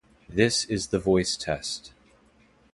This is the voice test